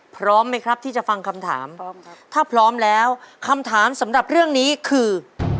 พร้อมไหมครับที่จะฟังคำถามพร้อมครับถ้าพร้อมแล้วคำถามสำหรับเรื่องนี้คือ